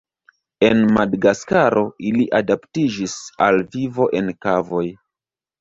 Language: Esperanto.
En Madagaskaro ili adaptiĝis al vivo en kavoj.